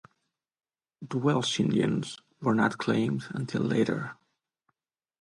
The Welsh Indians were not claimed until later.